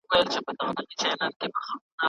ایا د تخار د چاه اب ولسوالۍ په غرونو کې سره زر شته؟